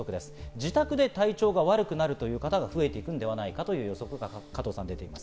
自宅で体調が悪くなる方が増えてくるのではないかということです。